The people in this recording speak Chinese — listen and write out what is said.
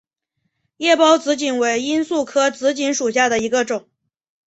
叶苞紫堇为罂粟科紫堇属下的一个种。